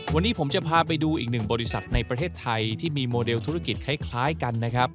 วันนี้ผมจะพาไปดูอีกหนึ่งบริษัทในประเทศไทยที่มีโมเดลธุรกิจคล้ายกันนะครับ